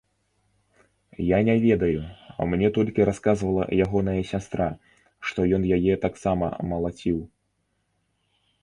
Я не ведаю, мне толькі расказвала ягоная сястра, што ён яе таксама малаціў.